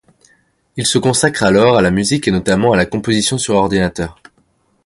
Il se consacre alors à la musique et notamment à la composition sur ordinateur.